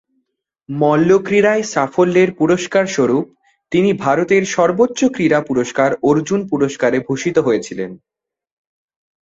মল্লক্রীড়ায় সাফল্যের পুরস্কার স্বরূপ তিনি ভারতের সর্বোচ্চ ক্রীড়া পুরস্কার অর্জুন পুরস্কারে ভূষিত হয়েছিলেন।